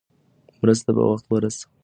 مرسته په وخت ورسول شوه.